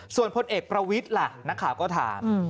ส่วนพลเอกประวิทย์ล่ะนักข่าวก็ถาม